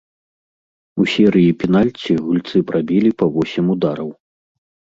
У серыі пенальці гульцы прабілі па восем удараў.